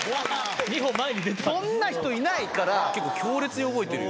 そんな人いないから結構強烈に覚えてるよ。